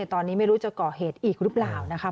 ตอนนี้ไม่รู้จะก่อเหตุอีกหรือเปล่านะคะ